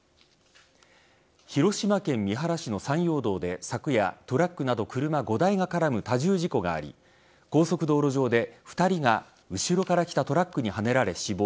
広島県三原市の山陽道で昨夜、トラックなど車５台が絡む多重事故があり高速道路上で２人が後ろから来たトラックにはねられ死亡。